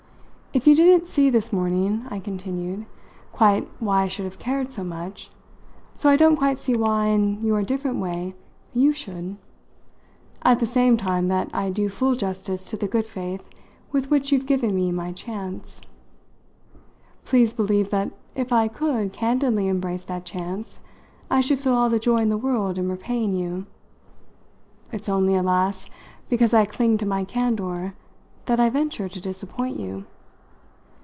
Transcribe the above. If you didn't see this morning," I continued, "quite why I should have cared so much, so I don't quite see why, in your different way, you should; at the same time that I do full justice to the good faith with which you've given me my chance. Please believe that if I could candidly embrace that chance I should feel all the joy in the world in repaying you. It's only, alas! because I cling to my candour that I venture to disappoint you.